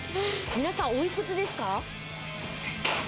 皆さん、おいくつですか？